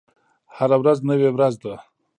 هره ورځ نوې ورځ ده